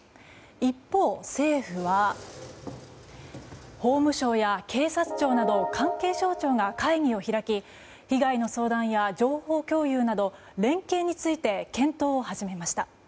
一方、政府は法務省や警察庁など関係省庁が会議を開き被害の相談や情報共有など連携について検討を始めました。